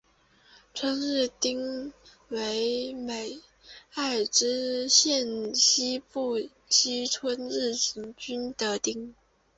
春日町为爱知县西部西春日井郡的町。